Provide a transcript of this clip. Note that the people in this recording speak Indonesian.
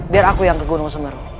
biar aku yang ke gunung semeru